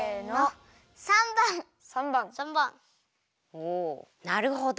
おおなるほど。